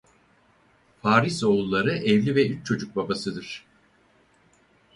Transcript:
Farisoğulları evli ve üç çocuk babasıdır.